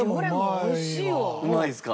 うまいですか？